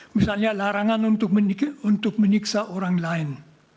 misalnya larangan untuk menyiksa orang lain